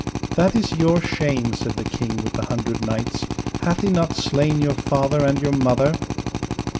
That is your shame, said the King with the Hundred Knights; hath he not slain your father and your mother?